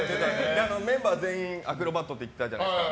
メンバー全員アクロバットって言ってたじゃないですか。